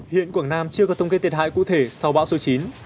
hiện quảng nam chưa có thông kê thiệt hại cụ thể sau bão số chín